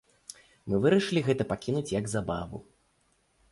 Мы вырашылі гэта пакінуць як забаву.